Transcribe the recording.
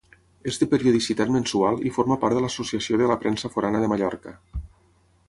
És de periodicitat mensual i forma part de l'Associació de la Premsa Forana de Mallorca.